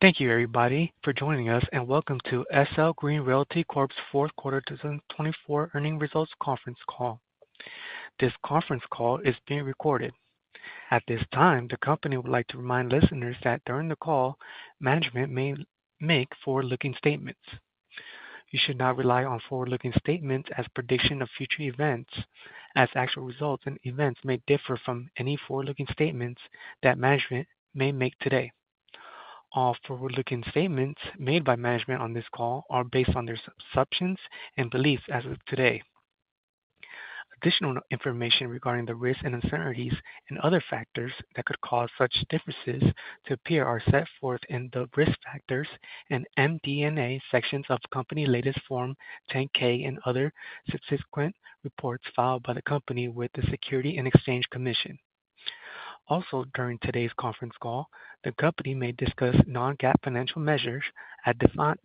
Thank you, everybody, for joining us, and welcome to SL Green Realty Corp's fourth quarter 2024 earnings results conference call. This conference call is being recorded. At this time, the company would like to remind listeners that during the call, management may make forward-looking statements. You should not rely on forward-looking statements as predictions of future events, as actual results and events may differ from any forward-looking statements that management may make today. All forward-looking statements made by management on this call are based on their assumptions and beliefs as of today. Additional information regarding the risks and uncertainties and other factors that could cause such differences to appear are set forth in the risk factors and MD&A sections of the company's latest Form 10-K and other subsequent reports filed by the company with the Securities and Exchange Commission. Also, during today's conference call, the company may discuss non-GAAP financial measures as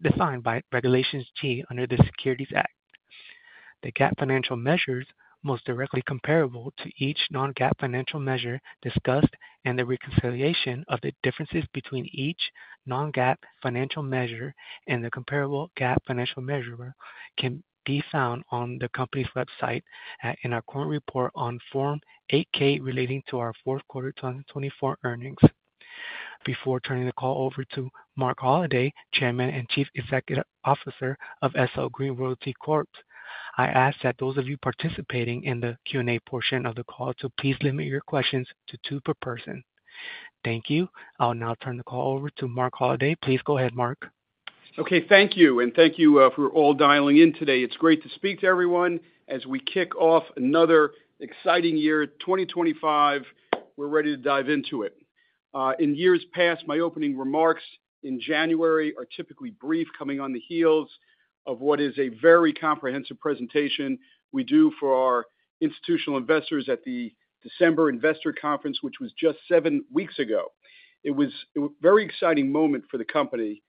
defined by Regulation G under the Securities Act. The GAAP financial measures most directly comparable to each non-GAAP financial measure discussed and the reconciliation of the differences between each non-GAAP financial measure and the comparable GAAP financial measure can be found on the company's website in our current report on Form 8-K relating to our fourth quarter 2024 earnings. Before turning the call over to Marc Holliday, Chairman and Chief Executive Officer of SL Green Realty Corp, I ask that those of you participating in the Q&A portion of the call please limit your questions to two per person. Thank you. I'll now turn the call over to Marc Holliday. Please go ahead, Marc. Okay, thank you. And thank you for all dialing in today. It's great to speak to everyone. As we kick off another exciting year, 2025, we're ready to dive into it. In years past, my opening remarks in January are typically brief, coming on the heels of what is a very comprehensive presentation we do for our institutional investors at the December Investor Conference, which was just seven weeks ago. It was a very exciting moment for the company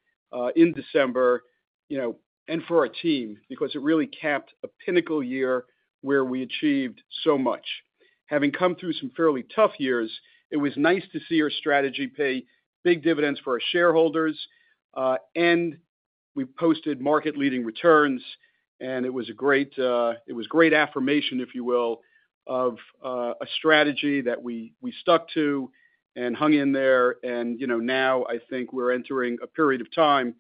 in December, you know, and for our team, because it really capped a pinnacle year where we achieved so much. Having come through some fairly tough years, it was nice to see our strategy pay big dividends for our shareholders. And we posted market-leading returns. And it was a great affirmation, if you will, of a strategy that we stuck to and hung in there. You know, now I think we're entering a period of time,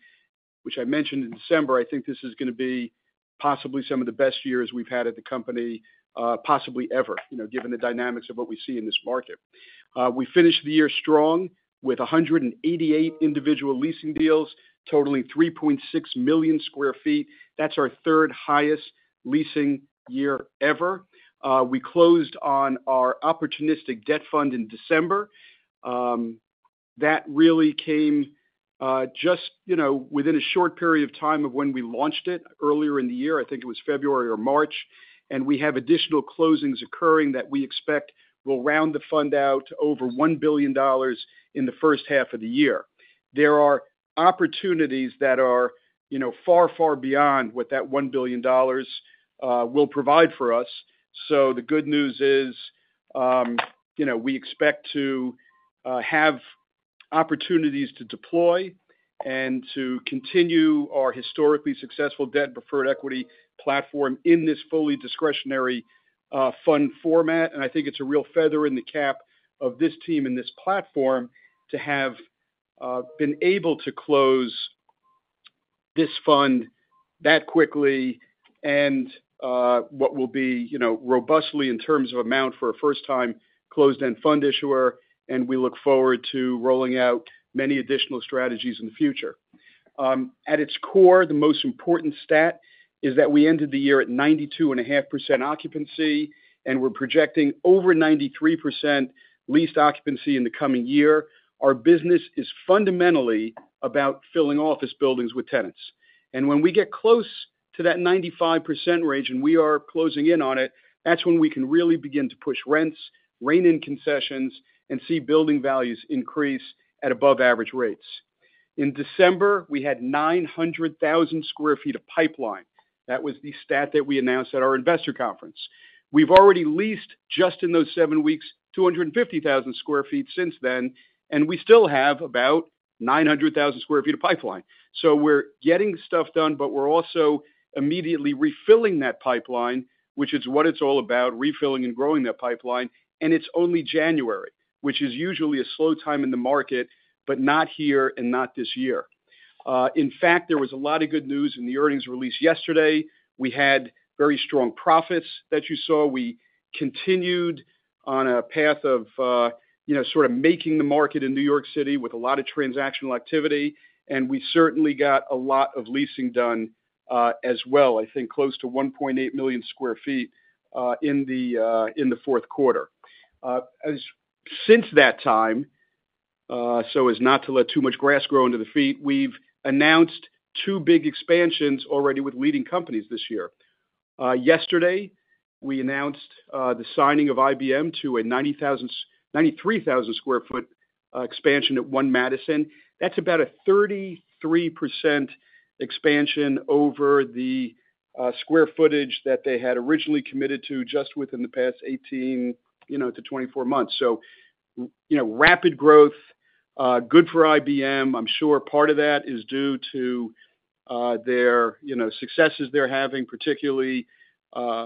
which I mentioned in December. I think this is going to be possibly some of the best years we've had at the company, possibly ever, you know, given the dynamics of what we see in this market. We finished the year strong with 188 individual leasing deals, totaling 3.6 million sq ft. That's our third highest leasing year ever. We closed on our Opportunistic Debt Fund in December. That really came just, you know, within a short period of time of when we launched it earlier in the year. I think it was February or March. We have additional closings occurring that we expect will round the fund out to over $1 billion in the first half of the year. There are opportunities that are, you know, far, far beyond what that $1 billion will provide for us. So the good news is, you know, we expect to have opportunities to deploy and to continue our historically successful debt and preferred equity platform in this fully discretionary fund format. And I think it's a real feather in the cap of this team and this platform to have been able to close this fund that quickly and what will be, you know, robustly in terms of amount for a first-time closed-end fund issuer. And we look forward to rolling out many additional strategies in the future. At its core, the most important stat is that we ended the year at 92.5% occupancy and we're projecting over 93% leased occupancy in the coming year. Our business is fundamentally about filling office buildings with tenants. When we get close to that 95% range and we are closing in on it, that's when we can really begin to push rents, rein in concessions, and see building values increase at above-average rates. In December, we had 900,000 sq ft of pipeline. That was the stat that we announced at our investor conference. We've already leased, just in those seven weeks, 250,000 sq ft since then, and we still have about 900,000 sq ft of pipeline. So we're getting stuff done, but we're also immediately refilling that pipeline, which is what it's all about, refilling and growing that pipeline. It's only January, which is usually a slow time in the market, but not here and not this year. In fact, there was a lot of good news in the earnings released yesterday. We had very strong profits that you saw. We continued on a path of, you know, sort of making the market in New York City with a lot of transactional activity, and we certainly got a lot of leasing done as well. I think close to 1.8 million sq ft in the fourth quarter. Since that time, so as not to let too much grass grow under the feet, we've announced two big expansions already with leading companies this year. Yesterday, we announced the signing of IBM to a 93,000 sq ft expansion at One Madison. That's about a 33% expansion over the square footage that they had originally committed to just within the past 18, you know, to 24 months, so you know, rapid growth, good for IBM. I'm sure part of that is due to their, you know, successes they're having, particularly, you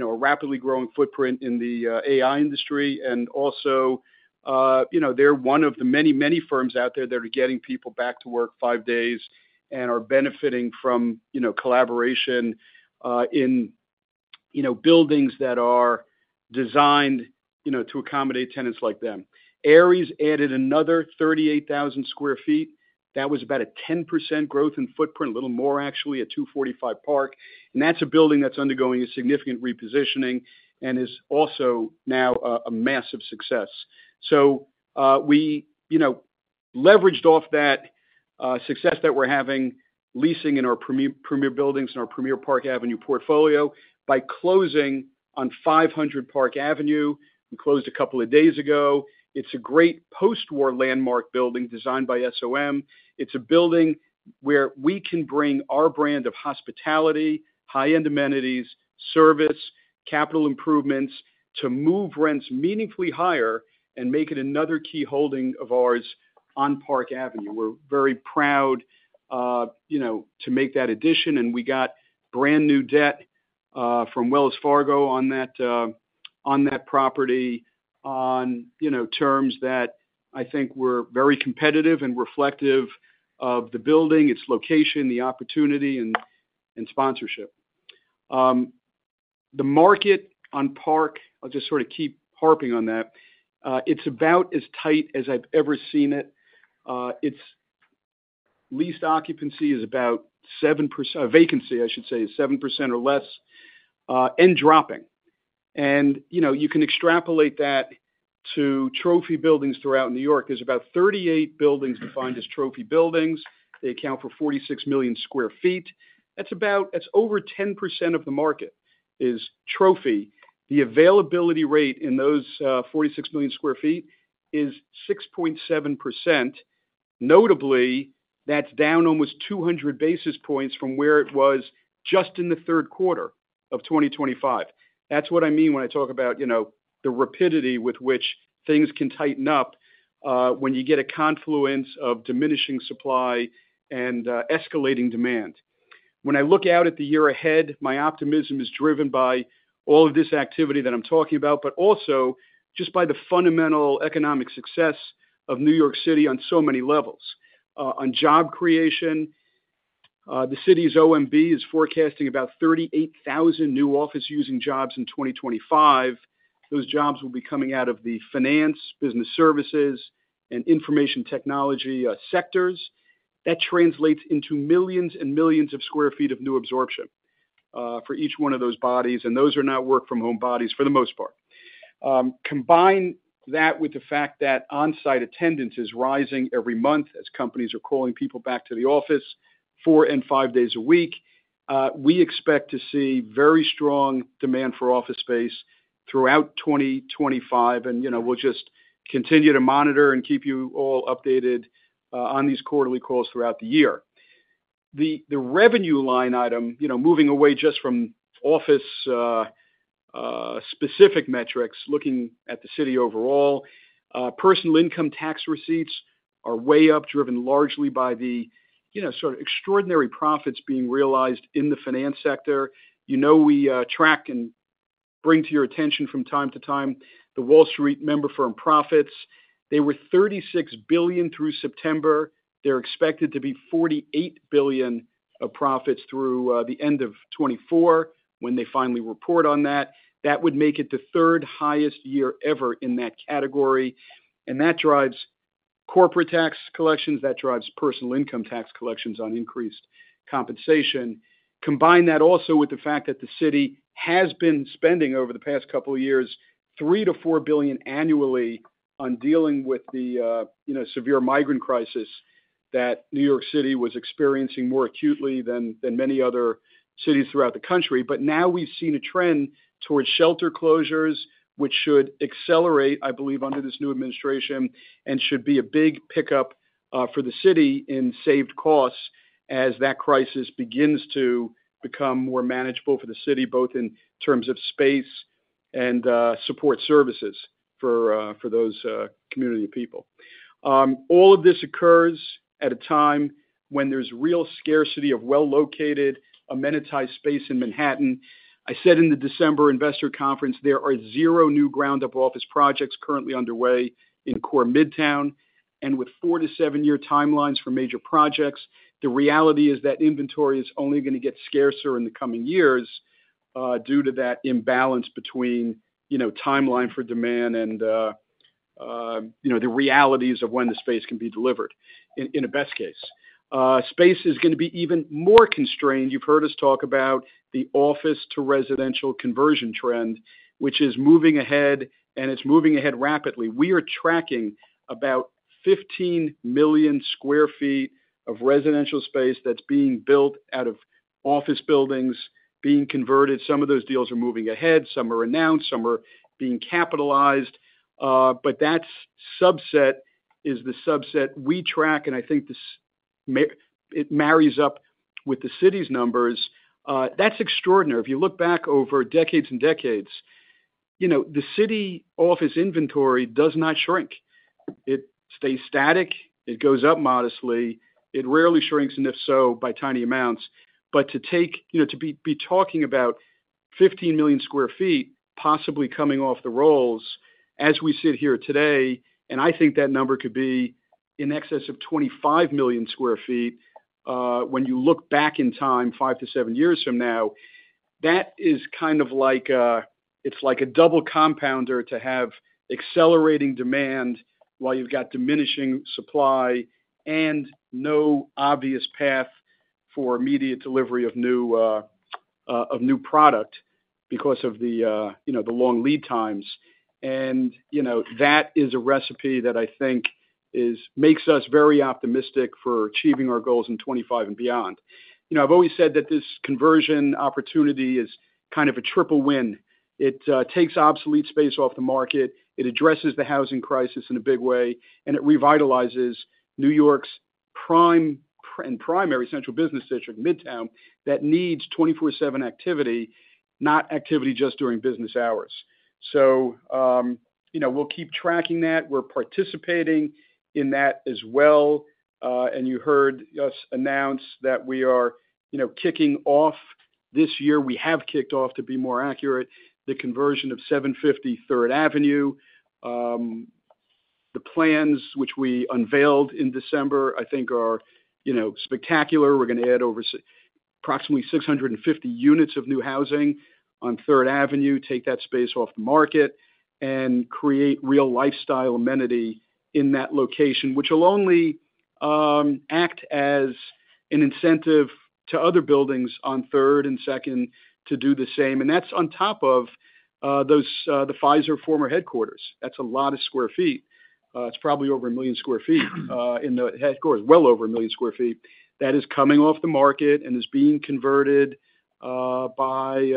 know, a rapidly growing footprint in the AI industry. Also, you know, they're one of the many, many firms out there that are getting people back to work five days and are benefiting from, you know, collaboration in, you know, buildings that are designed, you know, to accommodate tenants like them. Ares added another 38,000 sq ft. That was about a 10% growth in footprint, a little more actually, at 245 Park. That's a building that's undergoing a significant repositioning and is also now a massive success. We, you know, leveraged off that success that we're having leasing in our premier buildings in our premier Park Avenue portfolio by closing on 500 Park Avenue. We closed a couple of days ago. It's a great post-war landmark building designed by SOM. It's a building where we can bring our brand of hospitality, high-end amenities, service, capital improvements to move rents meaningfully higher and make it another key holding of ours on Park Avenue. We're very proud, you know, to make that addition. And we got brand new debt from Wells Fargo on that property on, you know, terms that I think were very competitive and reflective of the building, its location, the opportunity, and sponsorship. The market on Park, I'll just sort of keep harping on that. It's about as tight as I've ever seen it. Its leased occupancy is about 7%, vacancy, I should say, is 7% or less and dropping. And, you know, you can extrapolate that to trophy buildings throughout New York. There's about 38 buildings defined as trophy buildings. They account for 46 million sq ft. That's about, that's over 10% of the market is trophy. The availability rate in those 46 million sq ft is 6.7%. Notably, that's down almost 200 basis points from where it was just in the third quarter of 2025. That's what I mean when I talk about, you know, the rapidity with which things can tighten up when you get a confluence of diminishing supply and escalating demand. When I look out at the year ahead, my optimism is driven by all of this activity that I'm talking about, but also just by the fundamental economic success of New York City on so many levels. On job creation, the city's OMB is forecasting about 38,000 new office-using jobs in 2025. Those jobs will be coming out of the finance, business services, and information technology sectors. That translates into millions and millions of sq ft of new absorption for each one of those bodies. Those are not work-from-home bodies for the most part. Combine that with the fact that on-site attendance is rising every month as companies are calling people back to the office four and five days a week. We expect to see very strong demand for office space throughout 2025. You know, we'll just continue to monitor and keep you all updated on these quarterly calls throughout the year. The revenue line item, you know, moving away just from office-specific metrics, looking at the city overall, personal income tax receipts are way up, driven largely by the, you know, sort of extraordinary profits being realized in the finance sector. You know, we track and bring to your attention from time to time the Wall Street member firm profits. They were $36 billion through September. They're expected to be $48 billion of profits through the end of 2024 when they finally report on that. That would make it the third highest year ever in that category. And that drives corporate tax collections. That drives personal income tax collections on increased compensation. Combine that also with the fact that the city has been spending over the past couple of years $3 billion-$4 billion annually on dealing with the, you know, severe migrant crisis that New York City was experiencing more acutely than many other cities throughout the country. But now we've seen a trend towards shelter closures, which should accelerate, I believe, under this new administration and should be a big pickup for the city in saved costs as that crisis begins to become more manageable for the city, both in terms of space and support services for those community of people. All of this occurs at a time when there's real scarcity of well-located amenitized space in Manhattan. I said in the December Investor Conference, there are zero new ground-up office projects currently underway in core Midtown, and with four to seven-year timelines for major projects, the reality is that inventory is only going to get scarcer in the coming years due to that imbalance between, you know, timeline for demand and, you know, the realities of when the space can be delivered in a best case. Space is going to be even more constrained. You've heard us talk about the office-to-residential conversion trend, which is moving ahead, and it's moving ahead rapidly. We are tracking about 15 million sq ft of residential space that's being built out of office buildings being converted. Some of those deals are moving ahead. Some are announced. Some are being capitalized. But that subset is the subset we track. And I think it marries up with the city's numbers. That's extraordinary. If you look back over decades and decades, you know, the city office inventory does not shrink. It stays static. It goes up modestly. It rarely shrinks, and if so, by tiny amounts. But to take, you know, to be talking about 15 million sq ft possibly coming off the rolls as we sit here today, and I think that number could be in excess of 25 million sq ft when you look back in time five to seven years from now, that is kind of like, it's like a double compounder to have accelerating demand while you've got diminishing supply and no obvious path for immediate delivery of new product because of the, you know, the long lead times. And, you know, that is a recipe that I think makes us very optimistic for achieving our goals in 2025 and beyond. You know, I've always said that this conversion opportunity is kind of a triple win. It takes obsolete space off the market. It addresses the housing crisis in a big way. And it revitalizes New York's prime and primary central business district, Midtown, that needs 24/7 activity, not activity just during business hours. So, you know, we'll keep tracking that. We're participating in that as well. And you heard us announce that we are, you know, kicking off this year. We have kicked off, to be more accurate, the conversion of 750 Third Avenue. The plans, which we unveiled in December, I think are, you know, spectacular. We're going to add over approximately 650 units of new housing on Third Avenue, take that space off the market, and create real lifestyle amenity in that location, which will only act as an incentive to other buildings on Third and Second to do the same. That's on top of the Pfizer former headquarters. That's a lot of square feet. It's probably over a million sq ft in the headquarters, well over a million sq ft that is coming off the market and is being converted by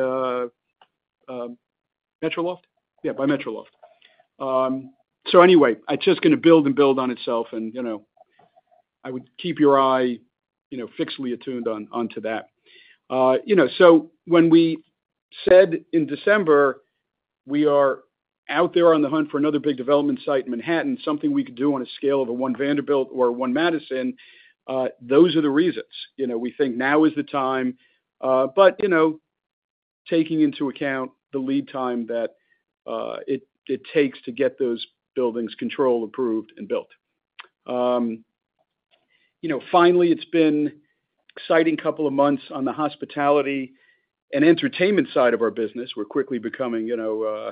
Metroloft. Yeah, by Metroloft. Anyway, it's just going to build and build on itself. You know, I would keep your eye, you know, fixedly attuned onto that. You know, so when we said in December, we are out there on the hunt for another big development site in Manhattan, something we could do on a scale of a One Vanderbilt or a One Madison, those are the reasons. You know, we think now is the time, but you know, taking into account the lead time that it takes to get those buildings control approved and built. You know, finally, it's been an exciting couple of months on the hospitality and entertainment side of our business. We're quickly becoming, you know,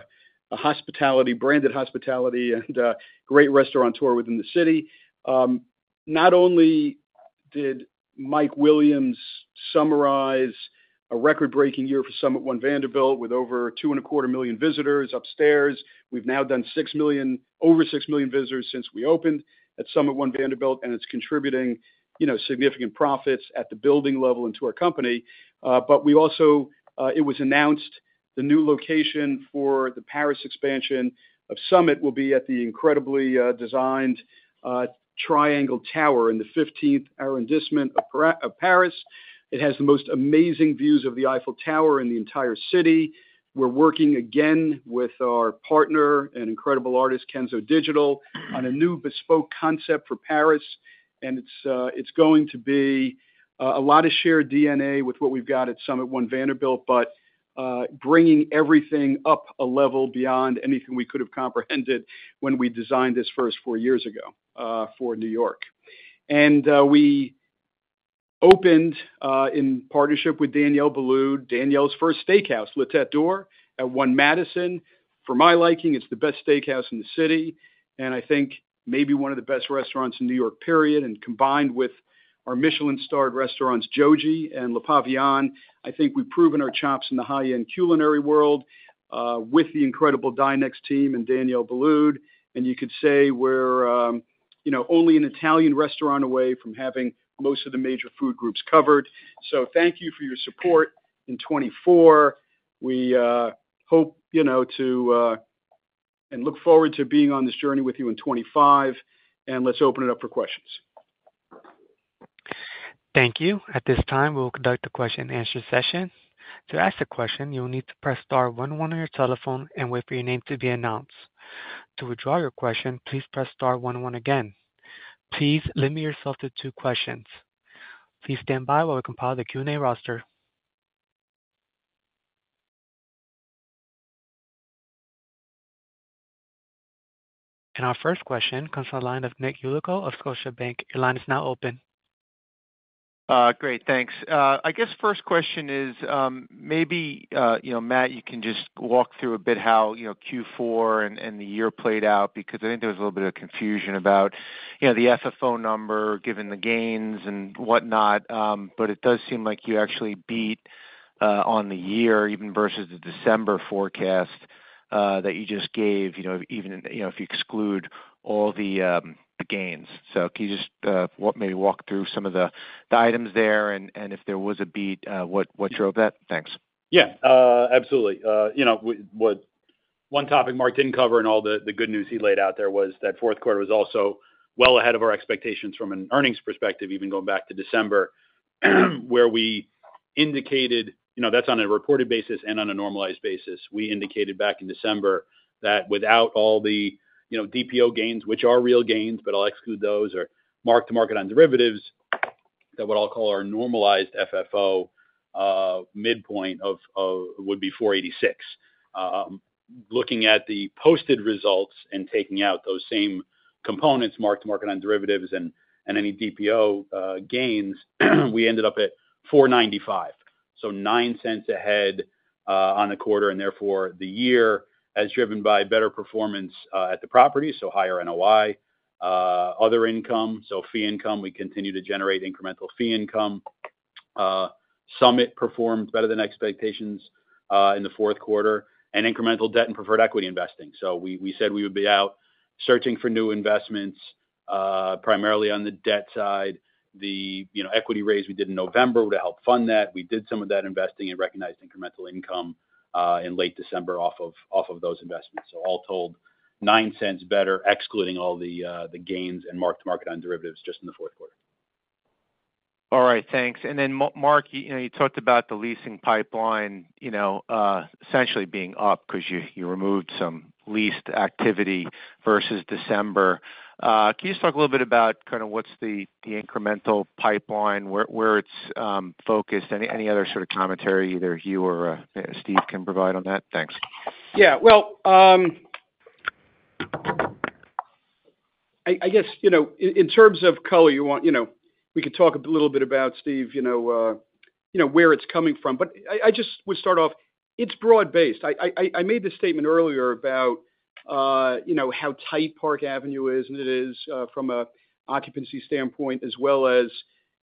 a hospitality, branded hospitality and great restaurateur within the city. Not only did Mike Williams summarize a record-breaking year for SUMMIT One Vanderbilt with over 2.25 million visitors upstairs, we've now done over 6 million visitors since we opened at SUMMIT One Vanderbilt, and it's contributing, you know, significant profits at the building level into our company. But we also, it was announced the new location for the Paris expansion of SUMMIT will be at the incredibly designed Triangle Tower in the 15th arrondissement of Paris. It has the most amazing views of the Eiffel Tower in the entire city. We're working again with our partner and incredible artist, Kenzo Digital, on a new bespoke concept for Paris. And it's going to be a lot of shared DNA with what we've got at SUMMIT One Vanderbilt, but bringing everything up a level beyond anything we could have comprehended when we designed this first four years ago for New York. And we opened in partnership with Daniel Boulud, Daniel's first steakhouse, La Tête d'Or, at One Madison. For my liking, it's the best steakhouse in the city. And I think maybe one of the best restaurants in New York, period. Combined with our Michelin-starred restaurants, Jōji and Le Pavillon, I think we've proven our chops in the high-end culinary world with the incredible Dinex team and Daniel Boulud. You could say we're, you know, only an Italian restaurant away from having most of the major food groups covered. So thank you for your support in 2024. We hope, you know, to and look forward to being on this journey with you in 2025. Let's open it up for questions. Thank you. At this time, we'll conduct a question-and-answer session. To ask a question, you'll need to press star one one on your telephone and wait for your name to be announced. To withdraw your question, please press star one one again. Please limit yourself to two questions. Please stand by while we compile the Q&A roster. Our first question comes from the line of Nick Yulico of Scotiabank. Your line is now open. Great. Thanks. I guess first question is maybe, you know, Matt, you can just walk through a bit how, you know, Q4 and the year played out because I think there was a little bit of confusion about, you know, the FFO number given the gains and whatnot. But it does seem like you actually beat on the year, even versus the December forecast that you just gave, you know, even, you know, if you exclude all the gains. So can you just maybe walk through some of the items there? And if there was a beat, what drove that? Thanks. Yeah, absolutely. You know, what one topic Marc didn't cover and all the good news he laid out there was that fourth quarter was also well ahead of our expectations from an earnings perspective, even going back to December, where we indicated, you know, that's on a reported basis and on a normalized basis. We indicated back in December that without all the, you know, DPO gains, which are real gains, but I'll exclude those, or mark-to-market on derivatives, that what I'll call our normalized FFO midpoint would be $4.86. Looking at the posted results and taking out those same components, mark-to-market on derivatives and any DPO gains, we ended up at $4.95. So $0.09 ahead on the quarter and therefore the year as driven by better performance at the property, so higher NOI, other income, so fee income. We continue to generate incremental fee income. SUMMIT performed better than expectations in the fourth quarter and incremental debt and preferred equity investing. So we said we would be out searching for new investments primarily on the debt side. The, you know, equity raise we did in November would have helped fund that. We did some of that investing and recognized incremental income in late December off of those investments. So all told, $0.09 better, excluding all the gains and mark-to-market on derivatives just in the fourth quarter. All right. Thanks. And then, Marc, you know, you talked about the leasing pipeline, you know, essentially being up because you removed some leased activity versus December. Can you just talk a little bit about kind of what's the incremental pipeline, where it's focused? Any other sort of commentary either you or Steve can provide on that? Thanks. Yeah. Well, I guess, you know, in terms of color, you want, you know, we could talk a little bit about, Steve, you know, where it's coming from. But I just would start off. It's broad-based. I made the statement earlier about, you know, how tight Park Avenue is and it is from an occupancy standpoint, as well as,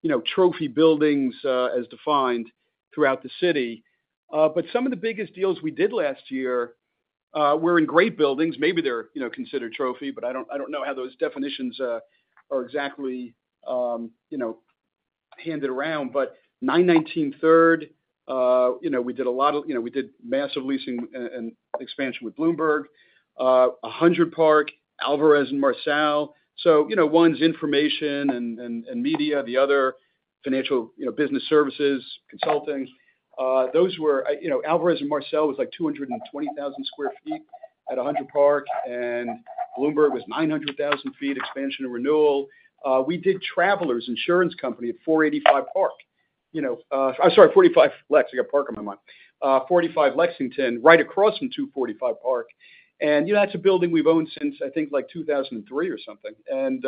you know, trophy buildings as defined throughout the city. But some of the biggest deals we did last year were in great buildings. Maybe they're, you know, considered trophy, but I don't know how those definitions are exactly, you know, handed around. But 919 Third, you know, we did a lot of, you know, we did massive leasing and expansion with Bloomberg, 100 Park, Alvarez & Marsal. So, you know, one's information and media, the other financial, you know, business services, consulting. Those were, you know, Alvarez & Marsal was like 220,000 sq ft at 100 Park. And Bloomberg was 900,000 sq ft expansion and renewal. We did Travelers Insurance Company at 485 Park. You know, I'm sorry, 45 Lex. I got Park on my mind, 45 Lexington, right across from 245 Park. And, you know, that's a building we've owned since, I think, like 2003 or something. And,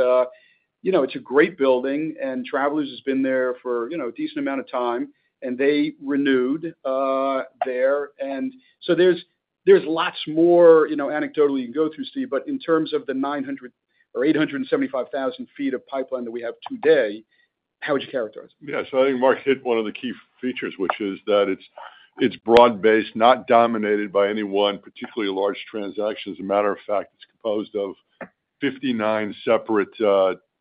you know, it's a great building. And Travelers has been there for, you know, a decent amount of time. And they renewed there. And so there's lots more, you know, anecdotally you can go through, Steve. But in terms of the 900 or 875,000 sq ft of pipeline that we have today, how would you characterize it? Yeah. So I think Marc hit one of the key features, which is that it's broad-based, not dominated by any one particularly large transaction. As a matter of fact, it's composed of 59 separate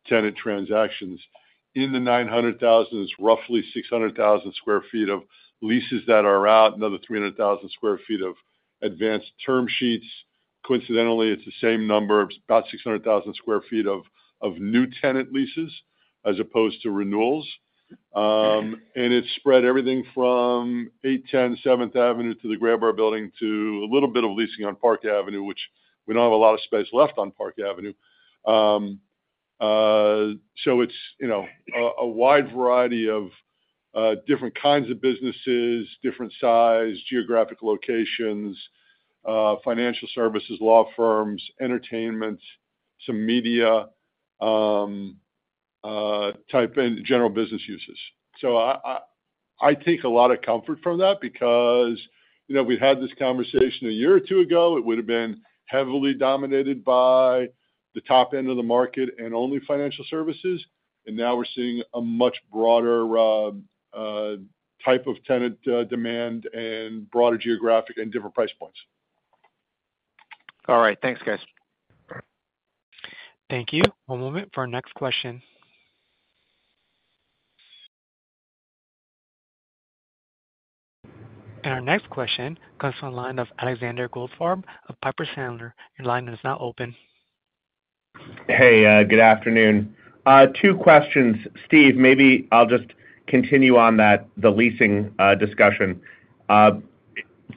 tenant transactions. In the 900,000, it's roughly 600,000 sq ft of leases that are out, another 300,000 sq ft of advanced term sheets. Coincidentally, it's the same number of about 600,000 sq ft of new tenant leases as opposed to renewals, and it's spread everything from 810 Seventh Avenue to the Graybar Building to a little bit of leasing on Park Avenue, which we don't have a lot of space left on Park Avenue, so it's, you know, a wide variety of different kinds of businesses, different size, geographic locations, financial services, law firms, entertainment, some media type and general business uses. So I take a lot of comfort from that because, you know, if we'd had this conversation a year or two ago, it would have been heavily dominated by the top end of the market and only financial services. And now we're seeing a much broader type of tenant demand and broader geographic and different price points. All right. Thanks, guys. Thank you. One moment for our next question. And our next question comes from the line of Alexander Goldfarb of Piper Sandler. Your line is now open. Hey, good afternoon. Two questions, Steve. Maybe I'll just continue on that, the leasing discussion.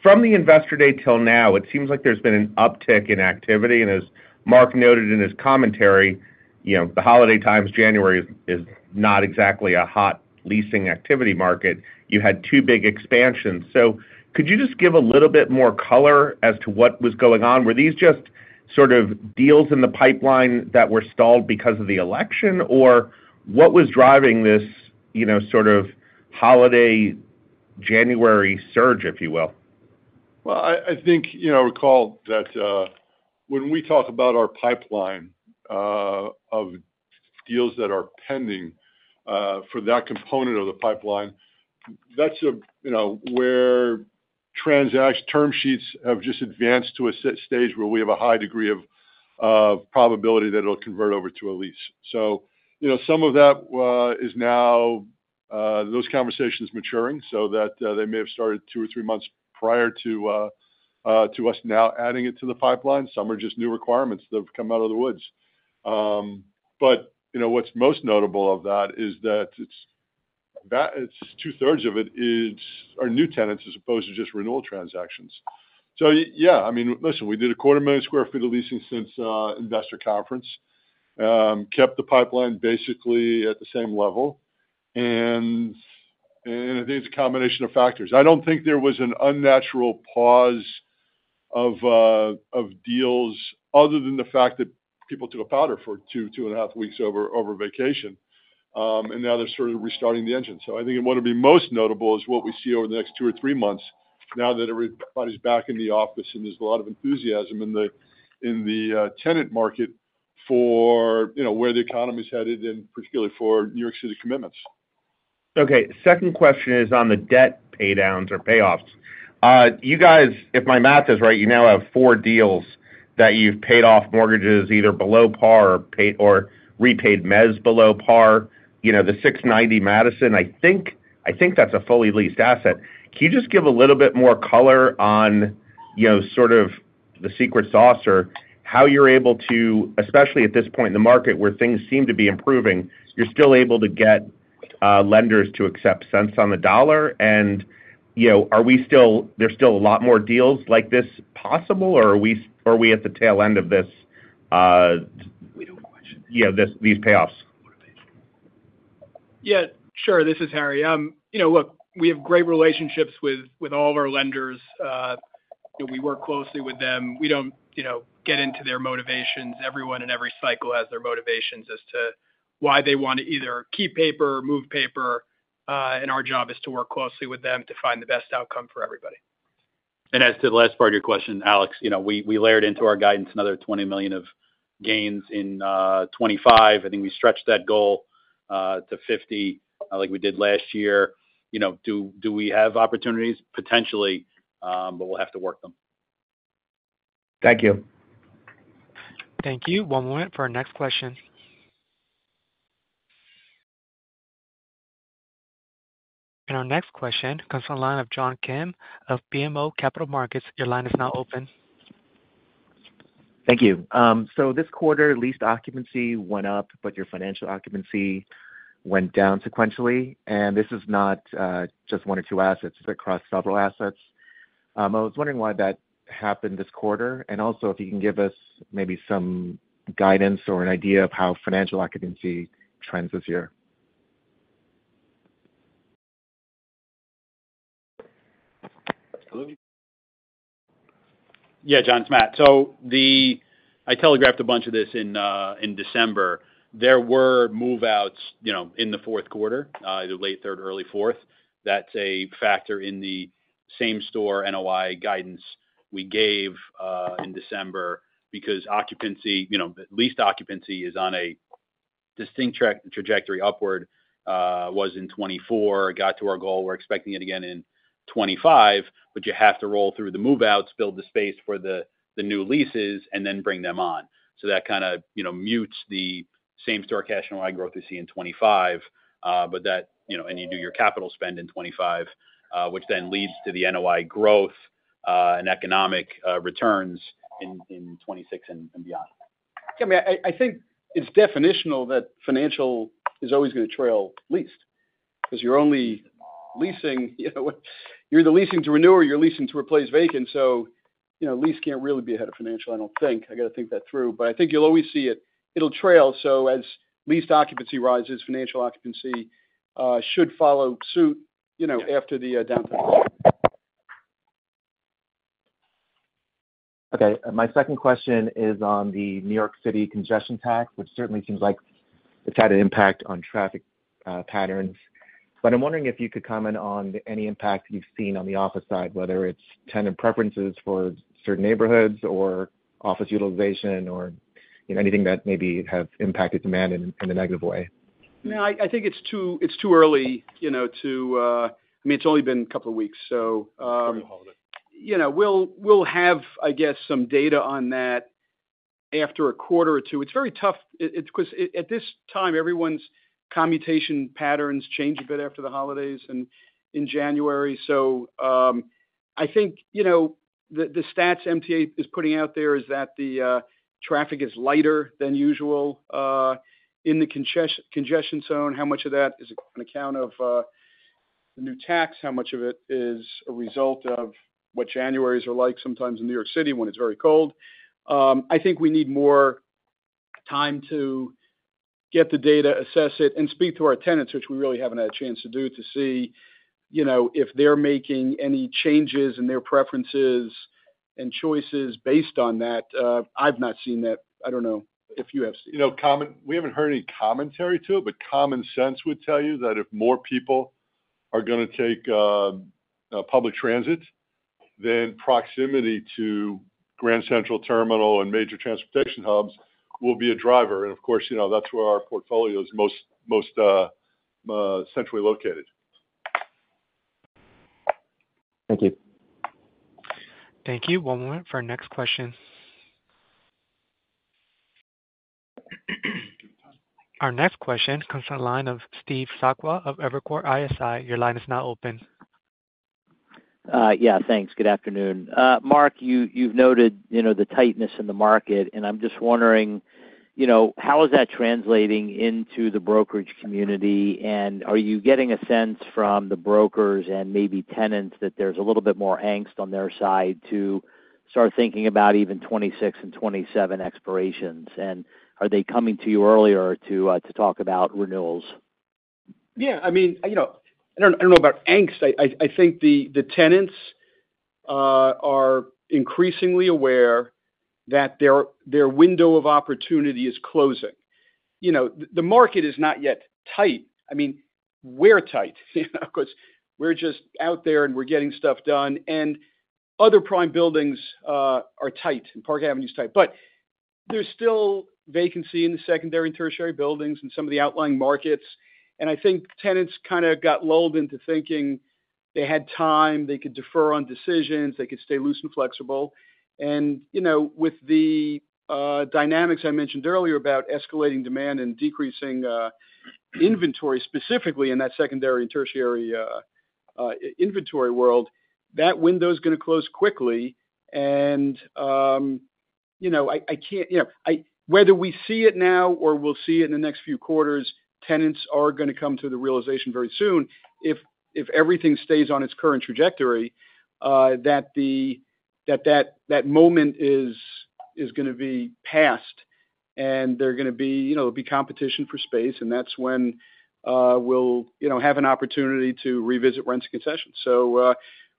From the Investor Day till now, it seems like there's been an uptick in activity. And as Marc noted in his commentary, you know, the holiday times, January is not exactly a hot leasing activity market. You had two big expansions. Could you just give a little bit more color as to what was going on? Were these just sort of deals in the pipeline that were stalled because of the election? Or what was driving this, you know, sort of holiday January surge, if you will? I think, you know, I recall that when we talk about our pipeline of deals that are pending for that component of the pipeline, that's, you know, where term sheets have just advanced to a stage where we have a high degree of probability that it'll convert over to a lease. So, you know, some of that is now, those conversations maturing so that they may have started two or three months prior to us now adding it to the pipeline. Some are just new requirements that have come out of the woods. But you know, what's most notable of that is that it's two-thirds of it are new tenants as opposed to just renewal transactions. So yeah, I mean, listen, we did 250,000 sq ft of leasing since investor conference, kept the pipeline basically at the same level. And I think it's a combination of factors. I don't think there was an unnatural pause of deals other than the fact that people took a powder for two, two and a half weeks over vacation. And now they're sort of restarting the engine. So I think what would be most notable is what we see over the next two or three months now that everybody's back in the office and there's a lot of enthusiasm in the tenant market for, you know, where the economy's headed and particularly for New York City commitments. Okay. Second question is on the debt paydowns or payoffs. You guys, if my math is right, you now have four deals that you've paid off mortgages either below par or repaid mezz below par. You know, the 690 Madison, I think that's a fully leased asset. Can you just give a little bit more color on, you know, sort of the secret sauce or how you're able to, especially at this point in the market where things seem to be improving, you're still able to get lenders to accept cents on the dollar? And, you know, are we still, there's still a lot more deals like this possible? Or are we at the tail end of this, you know, these payoffs? Yeah, sure. This is Harry. You know, look, we have great relationships with all of our lenders. We work closely with them. We don't, you know, get into their motivations. Everyone in every cycle has their motivations as to why they want to either keep paper or move paper, and our job is to work closely with them to find the best outcome for everybody. And as to the last part of your question, Alex, you know, we layered into our guidance another $20 million of gains in 2025. I think we stretched that goal to $50 million like we did last year. You know, do we have opportunities? Potentially, but we'll have to work them. Thank you. Thank you. One moment for our next question, and our next question comes from the line of John Kim of BMO Capital Markets. Your line is now open. Thank you. This quarter, leased occupancy went up, but your financial occupancy went down sequentially. This is not just one or two assets. It's across several assets. I was wondering why that happened this quarter and also, if you can give us maybe some guidance or an idea of how financial occupancy trends this year. Yeah, John, it's Matt. So I telegraphed a bunch of this in December. There were move-outs, you know, in the fourth quarter, the late third, early fourth. That's a factor in the same store NOI guidance we gave in December because occupancy, you know, at least occupancy is on a distinct trajectory upward, was in 2024, got to our goal. We're expecting it again in 2025. But you have to roll through the move-outs, build the space for the new leases, and then bring them on. So that kind of, you know, mutes the same store cash NOI growth we see in 2025. But that, you know, and you do your capital spend in 2025, which then leads to the NOI growth and economic returns in 2026 and beyond. Yeah, I mean, I think it's definitional that financial is always going to trail leased because you're only leasing, you know, you're either leasing to renew or you're leasing to replace vacant. So, you know, lease can't really be ahead of financial, I don't think. I got to think that through, but I think you'll always see it. It'll trail, so as leased occupancy rises, financial occupancy should follow suit, you know, after the downturn. Okay. My second question is on the New York City congestion tax, which certainly seems like it's had an impact on traffic patterns. But I'm wondering if you could comment on any impact you've seen on the office side, whether it's tenant preferences for certain neighborhoods or office utilization or, you know, anything that maybe has impacted demand in a negative way? No, I think it's too early, you know, to, I mean, it's only been a couple of weeks. So, you know, we'll have, I guess, some data on that after a quarter or two. It's very tough because at this time, everyone's commuting patterns change a bit after the holidays in January. So I think, you know, the stats the MTA is putting out there is that the traffic is lighter than usual in the congestion zone. How much of that is on account of the new tax? How much of it is a result of what Januaries are like sometimes in New York City when it's very cold? I think we need more time to get the data, assess it, and speak to our tenants, which we really haven't had a chance to do to see, you know, if they're making any changes in their preferences and choices based on that. I've not seen that. I don't know if you have seen. You know, we haven't heard any commentary to it, but common sense would tell you that if more people are going to take public transit, then proximity to Grand Central Terminal and major transportation hubs will be a driver. And of course, you know, that's where our portfolio is most centrally located. Thank you. Thank you. One moment for our next question. Our next question comes from the line of Steve Sakwa of Evercore ISI. Your line is now open. Yeah, thanks. Good afternoon. Marc, you've noted, you know, the tightness in the market. I'm just wondering, you know, how is that translating into the brokerage community? Are you getting a sense from the brokers and maybe tenants that there's a little bit more angst on their side to start thinking about even 2026 and 2027 expirations? Are they coming to you earlier to talk about renewals? Yeah. I mean, you know, I don't know about angst. I think the tenants are increasingly aware that their window of opportunity is closing. You know, the market is not yet tight. I mean, we're tight, you know, because we're just out there and we're getting stuff done. Other prime buildings are tight. Park Avenue's tight. But there's still vacancy in the secondary and tertiary buildings and some of the outlying markets. I think tenants kind of got lulled into thinking they had time, they could defer on decisions, they could stay loose and flexible. You know, with the dynamics I mentioned earlier about escalating demand and decreasing inventory specifically in that secondary and tertiary inventory world, that window is going to close quickly. You know, I can't, you know, whether we see it now or we'll see it in the next few quarters, tenants are going to come to the realization very soon if everything stays on its current trajectory, that that moment is going to be past. There are going to be, you know, there'll be competition for space. That's when we'll, you know, have an opportunity to revisit rents and concessions.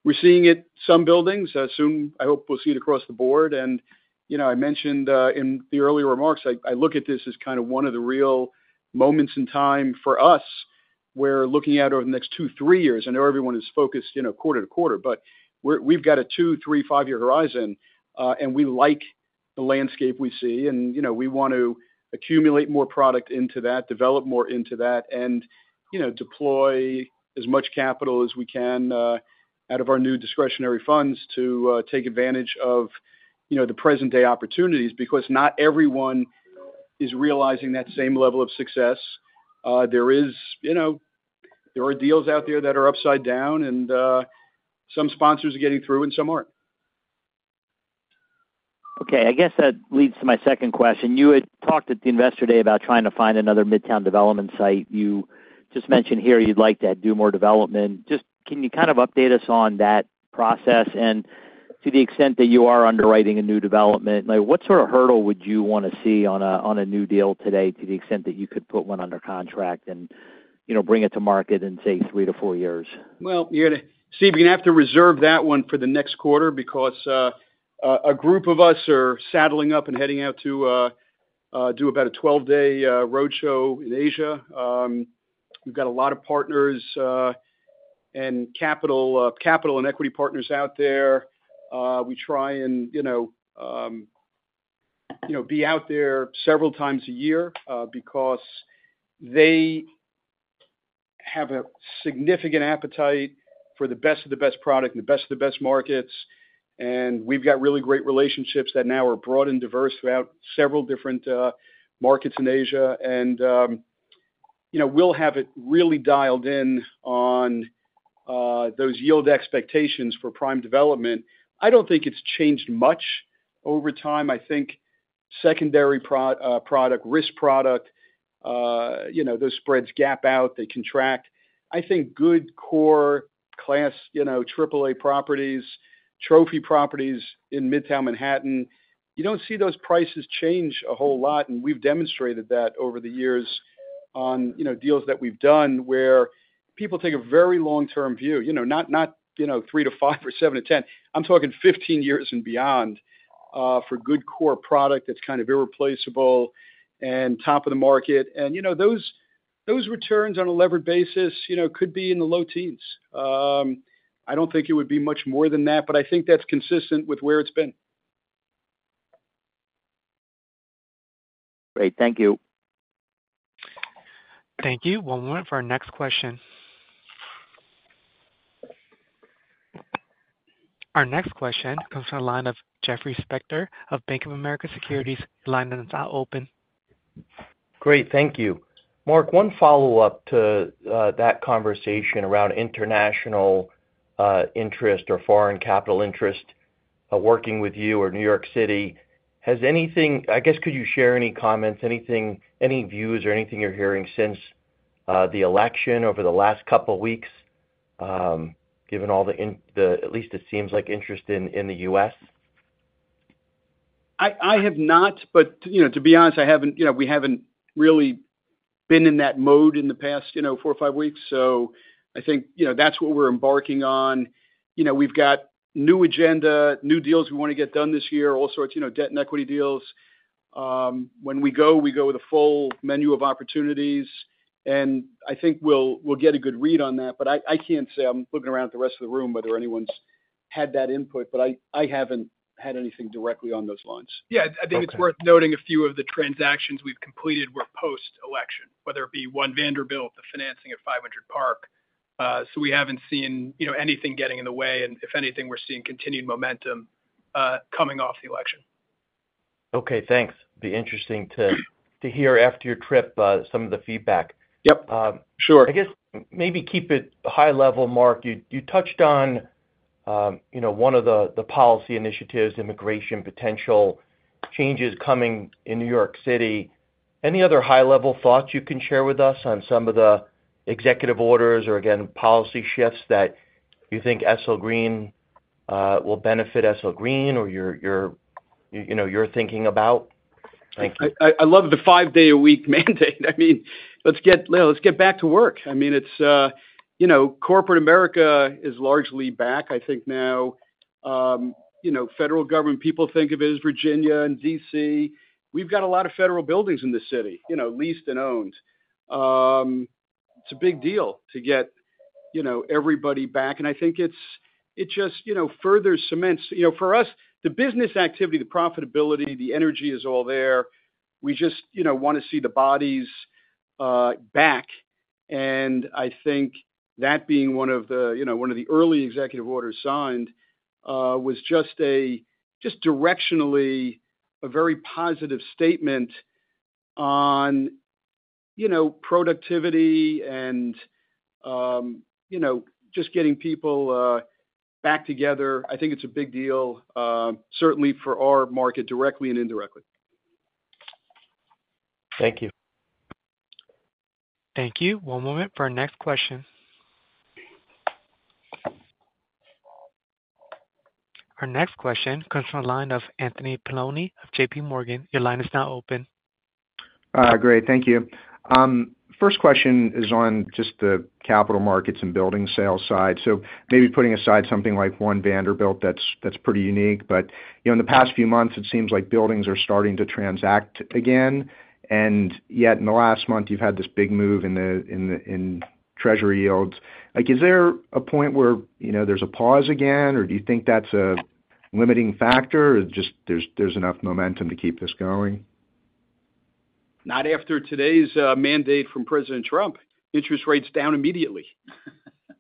We're seeing it in some buildings. Soon, I hope we'll see it across the board. And, you know, I mentioned in the earlier remarks, I look at this as kind of one of the real moments in time for us where looking at over the next two, three years, I know everyone is focused, you know, quarter to quarter, but we've got a two, three, five-year horizon. And we like the landscape we see. And, you know, we want to accumulate more product into that, develop more into that, and, you know, deploy as much capital as we can out of our new discretionary funds to take advantage of, you know, the present-day opportunities because not everyone is realizing that same level of success. There is, you know, there are deals out there that are upside down and some sponsors are getting through and some aren't. Okay. I guess that leads to my second question. You had talked at the Investor Day about trying to find another Midtown development site. You just mentioned here you'd like to do more development. Just can you kind of update us on that process and to the extent that you are underwriting a new development, like what sort of hurdle would you want to see on a new deal today to the extent that you could put one under contract and, you know, bring it to market in, say, three to four years? Well, you're going to see, we're going to have to reserve that one for the next quarter because a group of us are saddling up and heading out to do about a 12-day roadshow in Asia. We've got a lot of partners and capital and equity partners out there. We try and, you know, be out there several times a year because they have a significant appetite for the best of the best product and the best of the best markets. And we've got really great relationships that now are broad and diverse throughout several different markets in Asia. And, you know, we'll have it really dialed in on those yield expectations for prime development. I don't think it's changed much over time. I think secondary product, risk product, you know, those spreads gap out, they contract. I think good core class, you know, AAA properties, trophy properties in Midtown Manhattan, you don't see those prices change a whole lot. And we've demonstrated that over the years on, you know, deals that we've done where people take a very long-term view, you know, not, you know, three to five or seven to ten. I'm talking 15 years and beyond for good core product that's kind of irreplaceable and top of the market. And, you know, those returns on a levered basis, you know, could be in the low teens. I don't think it would be much more than that, but I think that's consistent with where it's been. Great. Thank you. Thank you. One moment for our next question. Our next question comes from the line of Jeffrey Spector of Bank of America Securities. Your line is now open. Great. Thank you. Marc, one follow-up to that conversation around international interest or foreign capital interest working with you or New York City. Has anything, I guess, could you share any comments, anything, any views or anything you're hearing since the election over the last couple of weeks, given all the, at least it seems like, interest in the U.S.? I have not, but, you know, to be honest, I haven't, you know, we haven't really been in that mode in the past, you know, four or five weeks. So I think, you know, that's what we're embarking on. You know, we've got new agenda, new deals we want to get done this year, all sorts, you know, debt and equity deals. When we go, we go with a full menu of opportunities. And I think we'll get a good read on that. But I can't say, I'm looking around at the rest of the room whether anyone's had that input, but I haven't had anything directly on those lines. Yeah. I think it's worth noting a few of the transactions we've completed were post-election, whether it be One Vanderbilt, the financing at 500 Park. So we haven't seen, you know, anything getting in the way. And if anything, we're seeing continued momentum coming off the election. Okay. Thanks. It'd be interesting to hear after your trip some of the feedback. Yep. Sure. I guess maybe keep it high-level, Marc. You touched on, you know, one of the policy initiatives, immigration potential changes coming in New York City. Any other high-level thoughts you can share with us on some of the executive orders or, again, policy shifts that you think SL Green will benefit SL Green or you're, you know, you're thinking about? Thank you. I love the five-day-a-week mandate. I mean, let's get, let's get back to work. I mean, it's, you know, corporate America is largely back. I think now, you know, federal government people think of it as Virginia and DC. We've got a lot of federal buildings in this city, you know, leased and owned. It's a big deal to get, you know, everybody back. And I think it just, you know, further cements, you know, for us, the business activity, the profitability, the energy is all there. We just, you know, want to see the bodies back. And I think that being one of the, you know, one of the early executive orders signed was just a, just directionally a very positive statement on, you know, productivity and, you know, just getting people back together. I think it's a big deal, certainly for our market directly and indirectly. Thank you. Thank you. One moment for our next question. Our next question comes from the line of Anthony Paolone of JPMorgan. Your line is now open. Great. Thank you. First question is on just the capital markets and building sales side. So maybe putting aside something like One Vanderbilt, that's pretty unique. But you know, in the past few months, it seems like buildings are starting to transact again. And yet in the last month, you've had this big move in the Treasury yields. Like, is there a point where, you know, there's a pause again? Or do you think that's a limiting factor or just there's enough momentum to keep this going? Not after today's mandate from President Trump. Interest rates down immediately.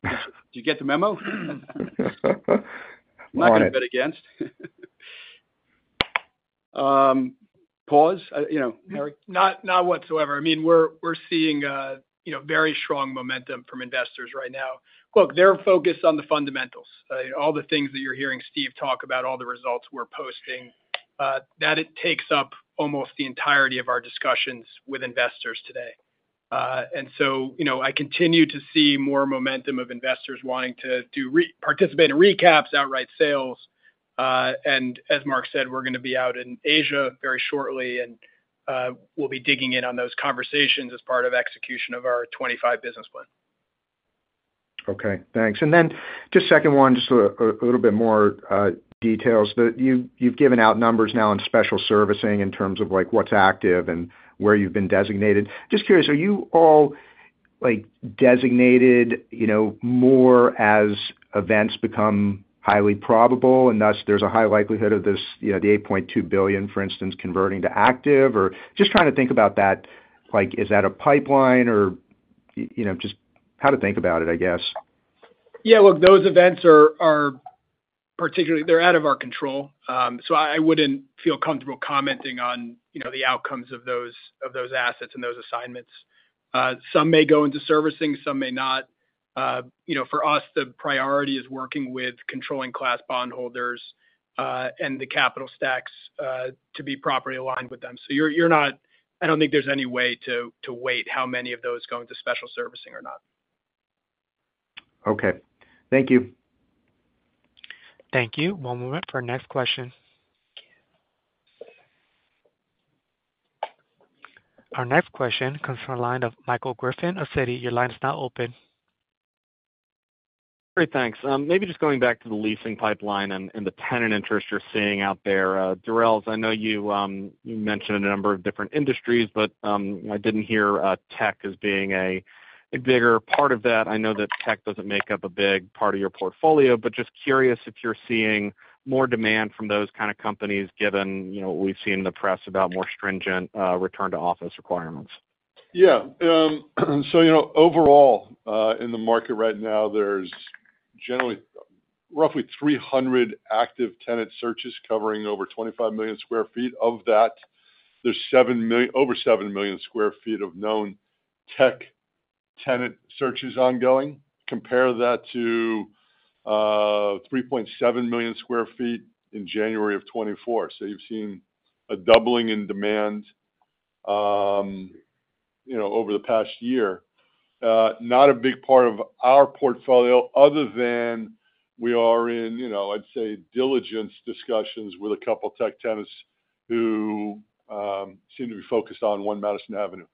Did you get the memo? Not that I'm against. Pause, you know, Harry? Not whatsoever. I mean, we're seeing, you know, very strong momentum from investors right now. Look, they're focused on the fundamentals. All the things that you're hearing Steve talk about, all the results we're posting, that it takes up almost the entirety of our discussions with investors today. And so, you know, I continue to see more momentum of investors wanting to participate in recaps, outright sales. And as Marc said, we're going to be out in Asia very shortly and we'll be digging in on those conversations as part of execution of our 2025 business plan. Okay. Thanks. And then just second one, just a little bit more details. You've given out numbers now on special servicing in terms of like what's active and where you've been designated. Just curious, are you all like designated, you know, more as events become highly probable and thus there's a high likelihood of this, you know, the $8.2 billion, for instance, converting to active? Or just trying to think about that, like is that a pipeline or, you know, just how to think about it, I guess? Yeah. Look, those events are particularly, they're out of our control. So I wouldn't feel comfortable commenting on, you know, the outcomes of those assets and those assignments. Some may go into servicing, some may not. You know, for us, the priority is working with controlling class bondholders and the capital stacks to be properly aligned with them. So you're not, I don't think there's any way to weight how many of those go into special servicing or not. Okay. Thank you. Thank you. One moment for our next question. Our next question comes from the line of Michael Griffin of Citi. Your line is now open. Great. Thanks. Maybe just going back to the leasing pipeline and the tenant interest you're seeing out there. Durels, I know you mentioned a number of different industries, but I didn't hear tech as being a bigger part of that. I know that tech doesn't make up a big part of your portfolio, but just curious if you're seeing more demand from those kind of companies given, you know, what we've seen in the press about more stringent return-to-office requirements. Yeah. So, you know, overall in the market right now, there's generally roughly 300 active tenant searches covering over 25 million sq ft. Of that, there's over 7 million sq ft of known tech tenant searches ongoing. Compare that to 3.7 million sq ft in January of 2024. So you've seen a doubling in demand, you know, over the past year. Not a big part of our portfolio other than we are in, you know, I'd say diligence discussions with a couple of tech tenants who seem to be focused on One Madison Avenue.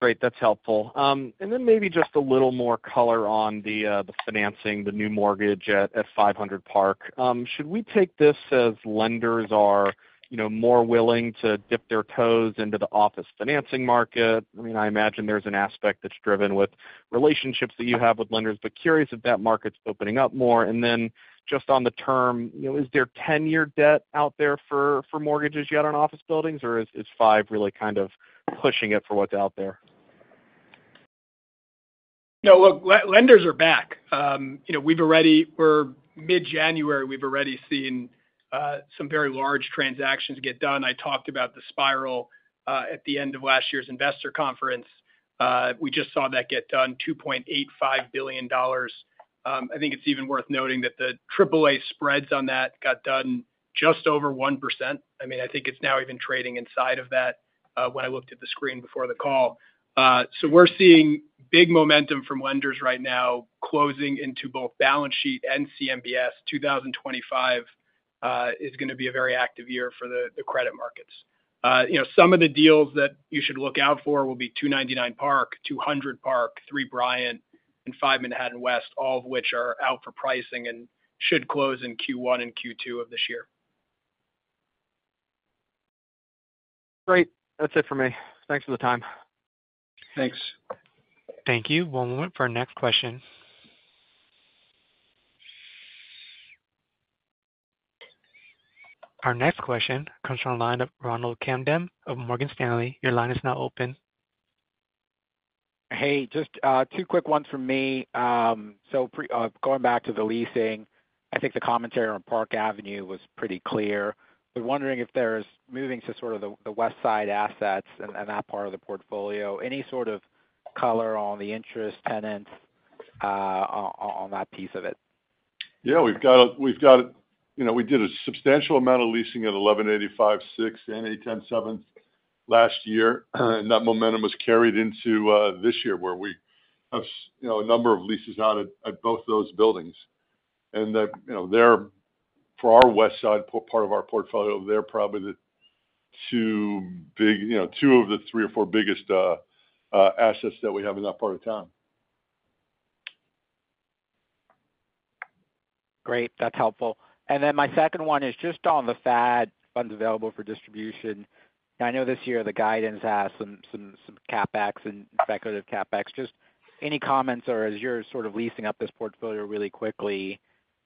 Great. That's helpful. And then maybe just a little more color on the financing, the new mortgage at 500 Park. Should we take this as lenders are, you know, more willing to dip their toes into the office financing market? I mean, I imagine there's an aspect that's driven with relationships that you have with lenders, but curious if that market's opening up more. And then just on the term, you know, is there 10-year debt out there for mortgages yet on office buildings or is five really kind of pushing it for what's out there? No, look, lenders are back. You know, we've already, we're mid-January, we've already seen some very large transactions get done. I talked about the Spiral at the end of last year's investor conference. We just saw that get done, $2.85 billion. I think it's even worth noting that the AAA spreads on that got done just over 1%. I mean, I think it's now even trading inside of that when I looked at the screen before the call. So we're seeing big momentum from lenders right now closing into both balance sheet and CMBS, 2025 is going to be a very active year for the credit markets. You know, some of the deals that you should look out for will be 299 Park, 200 Park, 3 Bryant, and 5 Manhattan West, all of which are out for pricing and should close in Q1 and Q2 of this year. Great. That's it for me. Thanks for the time. Thanks. Thank you. One moment for our next question. Our next question comes from the line of Ronald Kamdem of Morgan Stanley. Your line is now open. Hey, just two quick ones for me. So going back to the leasing, I think the commentary on Park Avenue was pretty clear. We're wondering if there's moving to sort of the west side assets and that part of the portfolio. Any sort of color on the interested tenants on that piece of it? Yeah. We've got, you know, we did a substantial amount of leasing at 1185 Sixth and 810 Seventh last year. And that momentum was carried into this year where we have, you know, a number of leases out at both those buildings. And, you know, they're for our west side part of our portfolio, they're probably the two big, you know, two of the three or four biggest assets that we have in that part of town. Great. That's helpful. And then my second one is just on the FAD funds available for distribution. I know this year the guidance has some CapEx and speculative CapEx. Just any comments or as you're sort of leasing up this portfolio really quickly,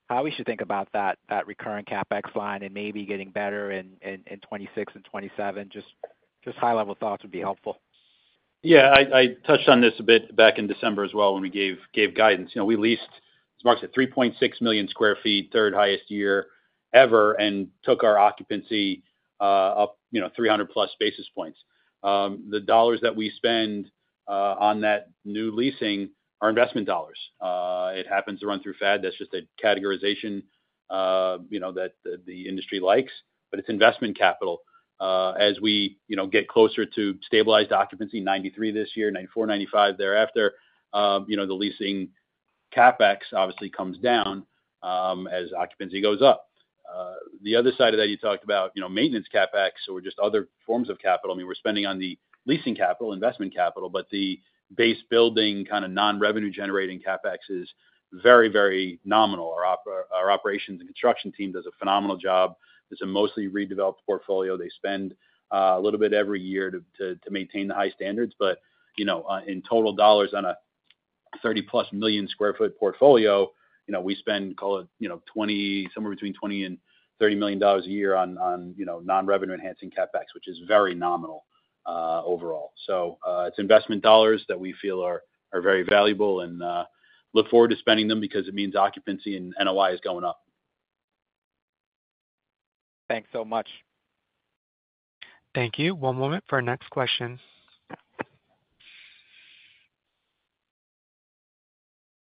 how we should think about that recurring CapEx line and maybe getting better in 2026 and 2027? Just high-level thoughts would be helpful. Yeah. I touched on this a bit back in December as well when we gave guidance. You know, we leased, it's marked at 3.6 million sq ft, third highest year ever, and took our occupancy up, you know, 300+ basis points. The dollars that we spend on that new leasing are investment dollars. It happens to run through FAD. That's just a categorization, you know, that the industry likes, but it's investment capital. As we, you know, get closer to stabilized occupancy, 93% this year, 94%, 95% thereafter, you know, the leasing CapEx obviously comes down as occupancy goes up. The other side of that you talked about, you know, maintenance CapEx or just other forms of capital. I mean, we're spending on the leasing capital, investment capital, but the base building kind of non-revenue generating CapEx is very, very nominal. Our operations and construction team does a phenomenal job. It's a mostly redeveloped portfolio. They spend a little bit every year to maintain the high standards. But, you know, in total dollars on a 30+ million sq ft portfolio, you know, we spend, call it, you know, $20 million-$30 million a year on, you know, non-revenue enhancing CapEx, which is very nominal overall. So it's investment dollars that we feel are very valuable and look forward to spending them because it means occupancy and NOI is going up. Thanks so much. Thank you. One moment for our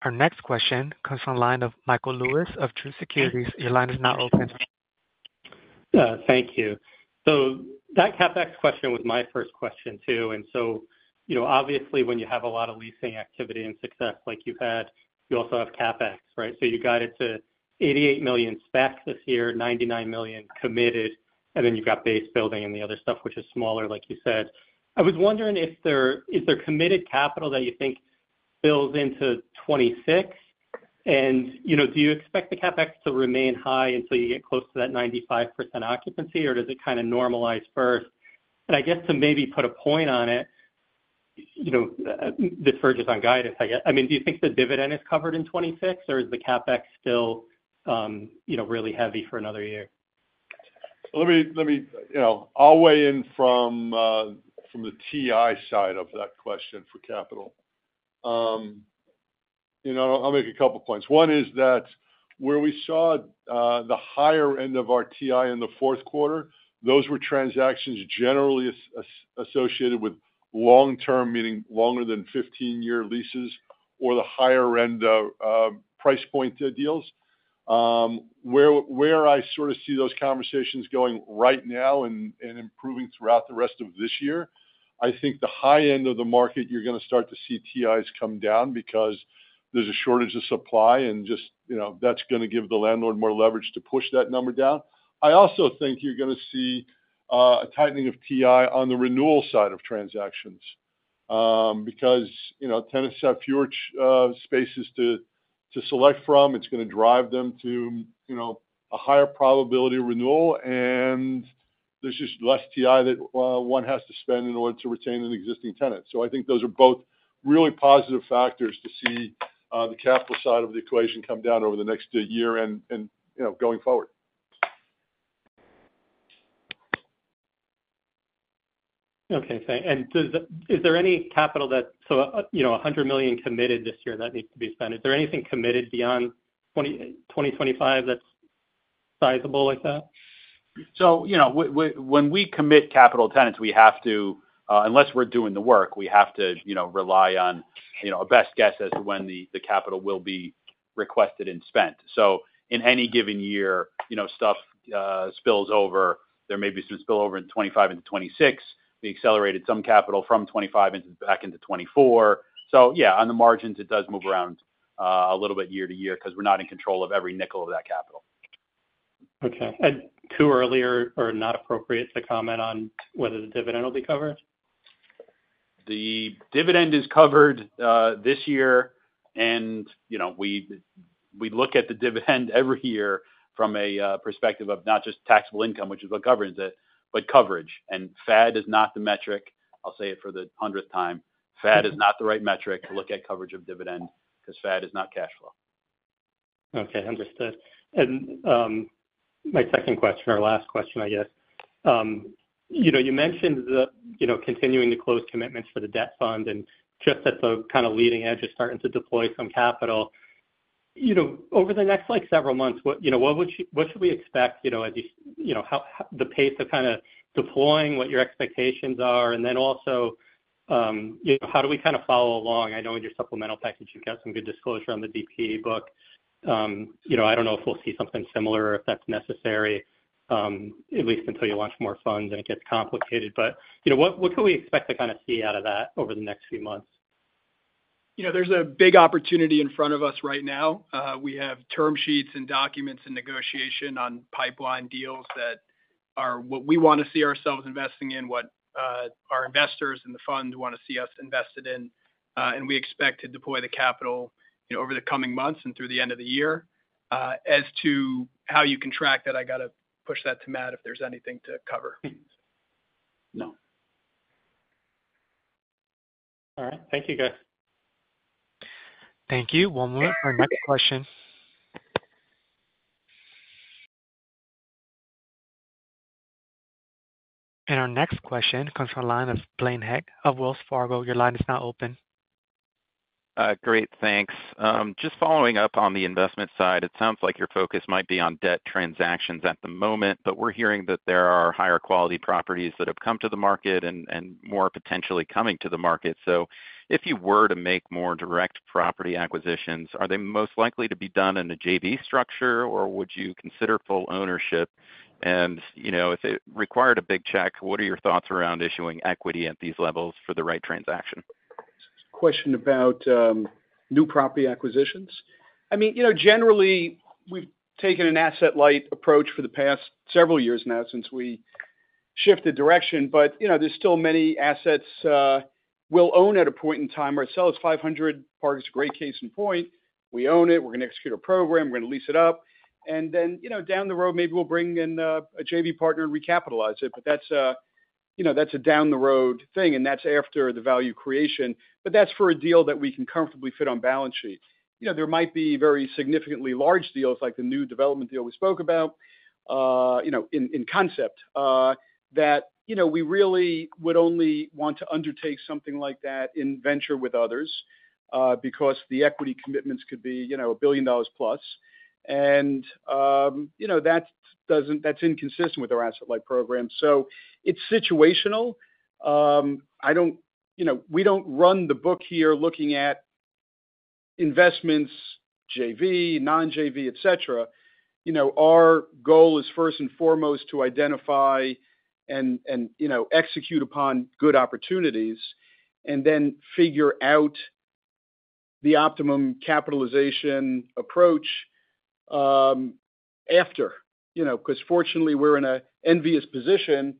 next question. Our next question comes from the line of Michael Lewis of Truist Securities. Your line is now open. Thank you. So that CapEx question was my first question too. And so, you know, obviously when you have a lot of leasing activity and success like you've had, you also have CapEx, right? So you guided to $88 million specs this year, $99 million committed, and then you've got base building and the other stuff, which is smaller, like you said. I was wondering if there, is there committed capital that you think builds into 2026? And, you know, do you expect the CapEx to remain high until you get close to that 95% occupancy or does it kind of normalize first? And I guess to maybe put a point on it, you know, this verges on guidance, I guess. I mean, do you think the dividend is covered in 2026 or is the CapEx still, you know, really heavy for another year? Let me, you know, I'll weigh in from the TI side of that question for capital. You know, I'll make a couple of points. One is that where we saw the higher end of our TI in the fourth quarter, those were transactions generally associated with long-term, meaning longer than 15-year leases or the higher end price point deals. Where I sort of see those conversations going right now and improving throughout the rest of this year, I think the high end of the market, you're going to start to see TIs come down because there's a shortage of supply and just, you know, that's going to give the landlord more leverage to push that number down. I also think you're going to see a tightening of TI on the renewal side of transactions because, you know, tenants have fewer spaces to select from. It's going to drive them to, you know, a higher probability of renewal and there's just less TI that one has to spend in order to retain an existing tenant. So I think those are both really positive factors to see the capital side of the equation come down over the next year and, you know, going forward. Okay. Thanks. And is there any capital that, so, you know, $100 million committed this year that needs to be spent? Is there anything committed beyond 2025 that's sizable like that? You know, when we commit capital to tenants, we have to, unless we're doing the work, we have to, you know, rely on, you know, a best guess as to when the capital will be requested and spent. In any given year, you know, stuff spills over. There may be some spillover in 2025 into 2026. We accelerated some capital from 2025 back into 2024. Yeah, on the margins, it does move around a little bit year to year because we're not in control of every nickel of that capital. Okay. And is it too early or not appropriate to comment on whether the dividend will be covered? The dividend is covered this year, and, you know, we look at the dividend every year from a perspective of not just taxable income, which is what governs it, but coverage. FAD is not the metric. I'll say it for the hundredth time. FAD is not the right metric to look at coverage of dividend because FAD is not cash flow. Okay. Understood. And my second question or last question, I guess, you know, you mentioned the, you know, continuing to close commitments for the debt fund and just at the kind of leading edge, just starting to deploy some capital. You know, over the next like several months, what, you know, what should we expect, you know, as you, you know, the pace of kind of deploying what your expectations are? And then also, you know, how do we kind of follow along? I know in your supplemental package, you've got some good disclosure on the DPO book. You know, I don't know if we'll see something similar or if that's necessary, at least until you launch more funds and it gets complicated. But, you know, what can we expect to kind of see out of that over the next few months? You know, there's a big opportunity in front of us right now. We have term sheets and documents and negotiation on pipeline deals that are what we want to see ourselves investing in, what our investors in the fund want to see us invested in. And we expect to deploy the capital, you know, over the coming months and through the end of the year. As to how you can track that, I got to push that to Matt if there's anything to cover. No. All right. Thank you, guys. Thank you. One moment for our next question. And our next question comes from the line of Blaine Heck of Wells Fargo. Your line is now open. Great. Thanks. Just following up on the investment side, it sounds like your focus might be on debt transactions at the moment, but we're hearing that there are higher quality properties that have come to the market and more potentially coming to the market. So if you were to make more direct property acquisitions, are they most likely to be done in a JV structure or would you consider full ownership? And, you know, if it required a big check, what are your thoughts around issuing equity at these levels for the right transaction? Question about new property acquisitions. I mean, you know, generally we've taken an asset light approach for the past several years now since we shifted direction, but, you know, there's still many assets we'll own at a point in time. We're going to sell this 500 Park, it's a great case in point. We own it. We're going to execute a program. We're going to lease it up. And then, you know, down the road, maybe we'll bring in a JV partner and recapitalize it. But that's, you know, that's a down the road thing and that's after the value creation. But that's for a deal that we can comfortably fit on balance sheet. You know, there might be very significantly large deals like the new development deal we spoke about, you know, in concept that, you know, we really would only want to undertake something like that in venture with others because the equity commitments could be, you know, a billion dollars plus. And, you know, that's inconsistent with our asset light program. So it's situational. I don't, you know, we don't run the book here looking at investments, JV, non-JV, et cetera. You know, our goal is first and foremost to identify and, you know, execute upon good opportunities and then figure out the optimum capitalization approach after, you know, because fortunately we're in an enviable position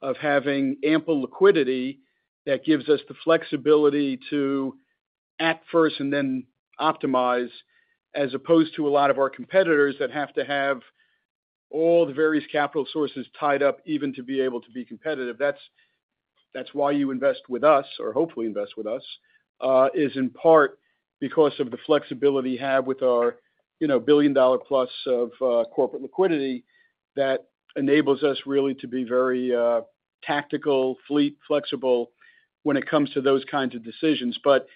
of having ample liquidity that gives us the flexibility to act first and then optimize as opposed to a lot of our competitors that have to have all the various capital sources tied up even to be able to be competitive. That's why you invest with us or hopefully invest with us is in part because of the flexibility we have with our, you know, $1+ billion of corporate liquidity that enables us really to be very tactical, fleet, flexible when it comes to those kinds of decisions. But,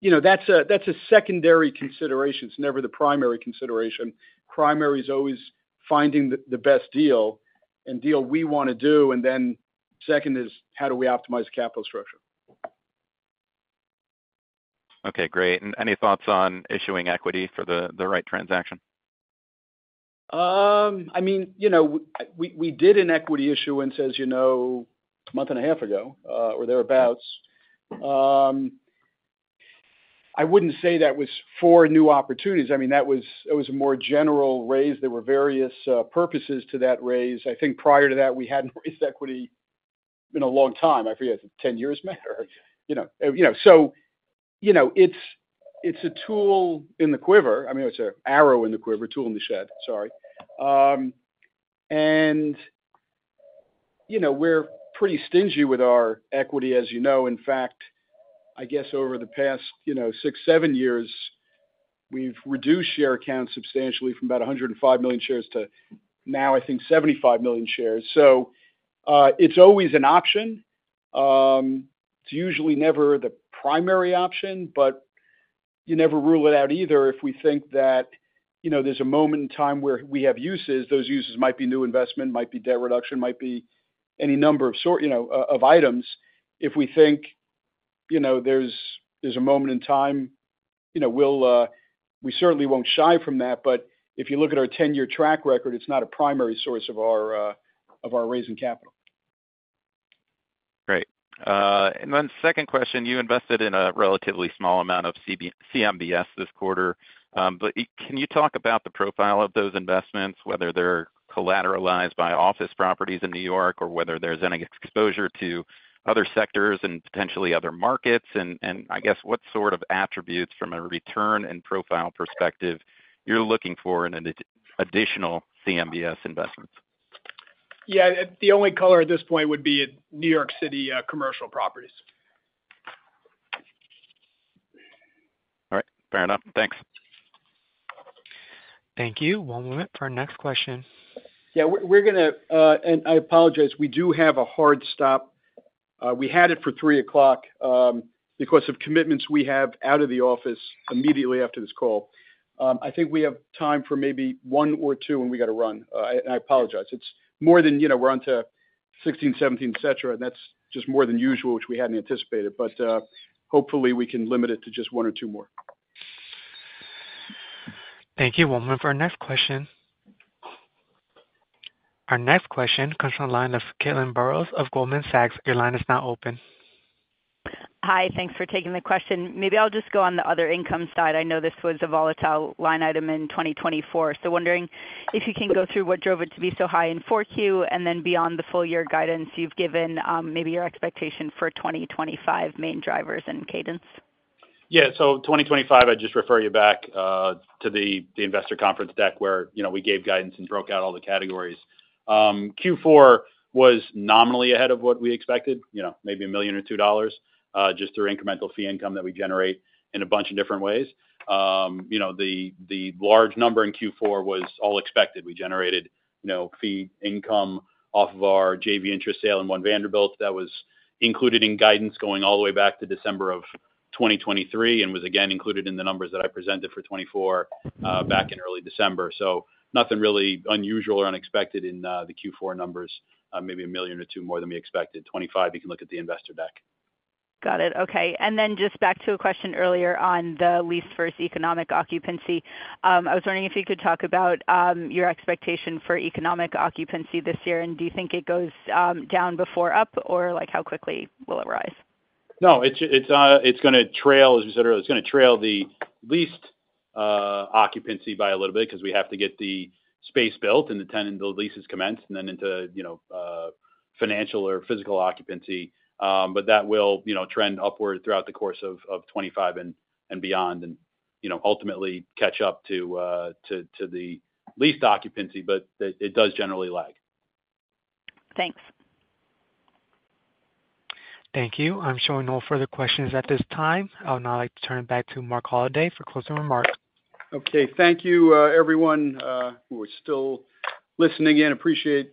you know, that's a secondary consideration. It's never the primary consideration. Primary is always finding the best deal and deal we want to do. And then, second is, how do we optimize the capital structure? Okay. Great. And any thoughts on issuing equity for the right transaction? I mean, you know, we did an equity issuance, as you know, a month and a half ago or thereabouts. I wouldn't say that was for new opportunities. I mean, that was a more general raise. There were various purposes to that raise. I think prior to that, we hadn't raised equity in a long time. I forget if it's a 10-year matter, you know. You know, so, you know, it's a tool in the quiver. I mean, it's an arrow in the quiver, tool in the shed, sorry. And, you know, we're pretty stingy with our equity, as you know. In fact, I guess over the past, you know, six, seven years, we've reduced share counts substantially from about 105 million shares to now, I think, 75 million shares. So it's always an option. It's usually never the primary option, but you never rule it out either if we think that, you know, there's a moment in time where we have uses. Those uses might be new investment, might be debt reduction, might be any number of, you know, of items. If we think, you know, there's a moment in time, you know, we'll, we certainly won't shy from that, but if you look at our 10-year track record, it's not a primary source of our raising capital. Great. And then, second question, you invested in a relatively small amount of CMBS this quarter, but can you talk about the profile of those investments, whether they're collateralized by office properties in New York or whether there's any exposure to other sectors and potentially other markets? And I guess what sort of attributes from a return and profile perspective you're looking for in additional CMBS investments? Yeah. The only color at this point would be New York City commercial properties. All right. Fair enough. Thanks. Thank you. One moment for our next question. Yeah. We're going to, and I apologize, we do have a hard stop. We had it for 3:00 PM. because of commitments we have out of the office immediately after this call. I think we have time for maybe one or two and we got to run. And I apologize. It's more than, you know, we're on to 16, 17, et cetera, and that's just more than usual, which we hadn't anticipated, but hopefully we can limit it to just one or two more. Thank you. One moment for our next question. Our next question comes from the line of Caitlin Burrows of Goldman Sachs. Your line is now open. Hi. Thanks for taking the question. Maybe I'll just go on the other income side. I know this was a volatile line item in 2024. So wondering if you can go through what drove it to be so high in 4Q and then beyond the full year guidance you've given, maybe your expectation for 2025 main drivers and cadence. Yeah. So 2025, I just refer you back to the investor conference deck where, you know, we gave guidance and broke out all the categories. Q4 was nominally ahead of what we expected, you know, maybe $1 million or $2 million just through incremental fee income that we generate in a bunch of different ways. You know, the large number in Q4 was all expected. We generated, you know, fee income off of our JV interest sale in One Vanderbilt that was included in guidance going all the way back to December of 2023 and was again included in the numbers that I presented for 2024 back in early December. So nothing really unusual or unexpected in the Q4 numbers, maybe $1 million or $2 million more than we expected. 2025, you can look at the investor deck. Got it. Okay. And then just back to a question earlier on the lease versus economic occupancy. I was wondering if you could talk about your expectation for economic occupancy this year and do you think it goes down before up or like how quickly will it rise? No, it's going to trail, as we said earlier, it's going to trail the leased occupancy by a little bit because we have to get the space built and the tenant and the leases commenced and then into, you know, financial or physical occupancy. But that will, you know, trend upward throughout the course of 25 and beyond and, you know, ultimately catch up to the leased occupancy, but it does generally lag. Thanks. Thank you. I'm showing no further questions at this time. I'll now like to turn it back to Marc Holliday for closing remarks. Okay. Thank you, everyone who are still listening in. Appreciate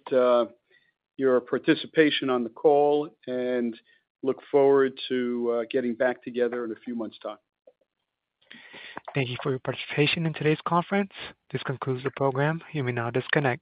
your participation on the call and look forward to getting back together in a few months' time. Thank you for your participation in today's conference. This concludes the program. You may now disconnect.